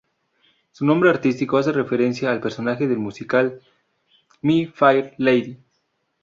Su nombre artístico hace referencia al personaje del musical "My Fair Lady".